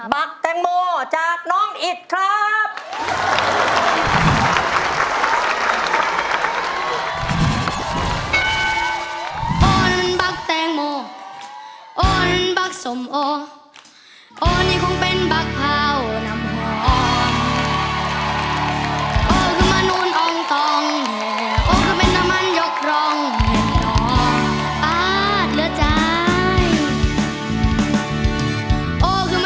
ักแตงโมจากน้องอิดครับ